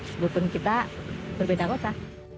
sebutin kita berbeda kota